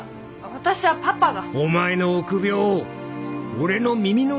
私はパパが。